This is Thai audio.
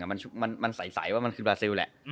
ในภายใดี้เขาต้องใสว่ามันคือบาซิลแหละ